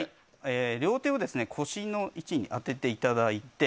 両手を腰の位置に当てていただいて